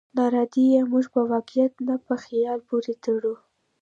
ناارادي يې موږ په واقعيت نه، په خيال پورې تړو.